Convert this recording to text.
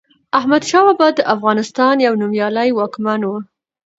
احمد شاه بابا دافغانستان يو نوميالي واکمن وه